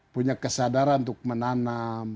punya kesadaran untuk menanam